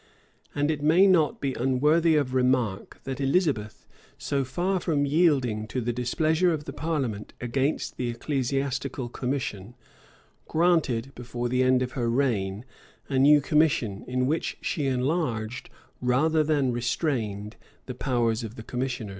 And it may not be unworthy of remark, that Elizabeth, so far from yielding to the displeasure of the parliament against the ecclesiastical commission, granted, before the end of her reign, a new commission; in which she enlarged, rather than restrained, the powers of the commissioners.